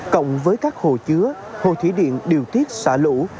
cộng với các hồ chứa hồ thủy điện điều tiết xả lũ